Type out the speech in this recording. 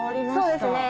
そうですね。